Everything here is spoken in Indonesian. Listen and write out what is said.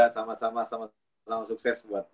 sama sama langsung sukses buat